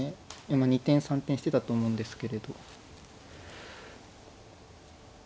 二転三転してたと思うんですけれど。